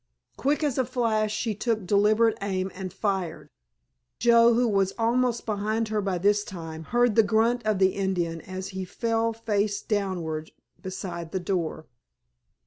Quick as a flash she took deliberate aim and fired. Joe, who was almost behind her by this time, heard the grunt of the Indian as he fell face downward beside the door.